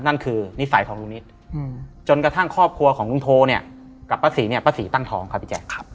นั่นคือนิสัยของลุงนิดจนกระทั่งครอบครัวของลุงโทเนี่ยกับป้าศรีเนี่ยป้าศรีตั้งท้องครับพี่แจ๊ค